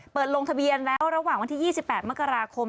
ลงทะเบียนแล้วระหว่างวันที่๒๘มกราคม